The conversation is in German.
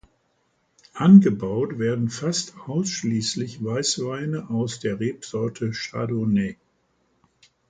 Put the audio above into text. Angebaut werden fast ausschließlich Weißweine aus der Rebsorte Chardonnay.